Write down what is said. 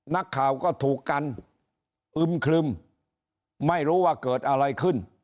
นักข่าวก็ถูกกันอึมครึมไม่รู้ว่าเกิดอะไรขึ้น